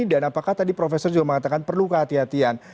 dan apakah tadi profesor juga mengatakan perlu kehatian